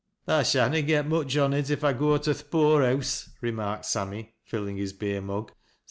" 1 shanna get much on it if I go to th' poor house," remarked Sammy, filling his beer mug.